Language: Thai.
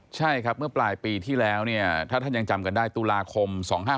ใช่ครับเมื่อปลายปีที่แล้วเนี่ยถ้าท่านยังจำกันได้ตุลาคม๒๕๕๙